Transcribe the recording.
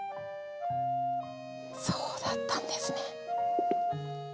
そうだったんですね。